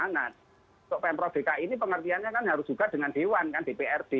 nah untuk pemprov dki ini pengertiannya kan harus juga dengan dewan kan dprd